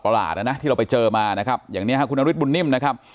หลาดนะนะที่เราไปเจอมานะครับอย่างนี้ฮะคุณนฤทธบุญนิ่มนะครับ